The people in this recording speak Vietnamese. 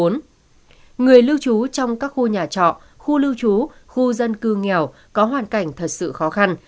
người lưu trú trong các khu nhà trọ khu lưu trú khu dân cư nghèo có hoàn cảnh thật sự khó khăn